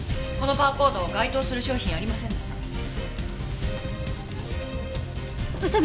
このバーコード該当する商品ありませんでした。